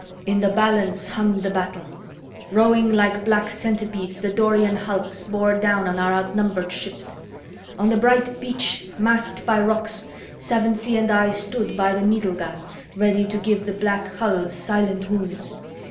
"In the balance hung the battle. Rowing like black centipedes, the Dorian hulls bore down on our outnumbered ships. On the bright beach, masked by rocks, Sevensee and I stood by the needle gun, ready to give the black hulls silent wounds.